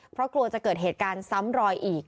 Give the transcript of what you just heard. เพราะกลัวจะเกิดเหตุการณ์ซ้ำรอยอีก